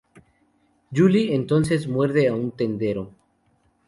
Julie entonces muerde a un tendero.